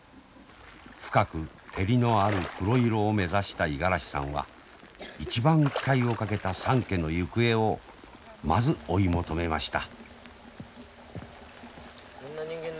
深く照りのある黒色を目指した五十嵐さんは一番期待をかけた三色の行方をまず追い求めました。